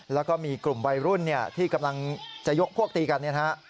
แล้วก็มีกลุ่มวัยรุ่นที่กำลังจะยกพวกตีกันเนี่ยนะฮะ